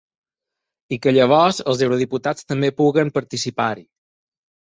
I que llavors els eurodiputats també puguen participar-hi.